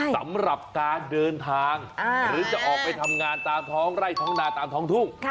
สำหรับการเดินทางหรือจะออกไปทำงานตามท้องไร่ท้องนาตามท้องทุ่ง